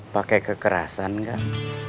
pakai kekerasan nggak